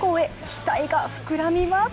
期待が膨らみます。